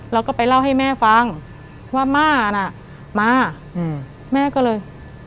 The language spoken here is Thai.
แล้วก็ไปเล่าให้แม่ฟังว่าม่าน่ะมาแม่ก็เลย